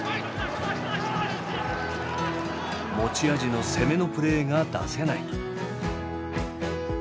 持ち味の攻めのプレーが出せない。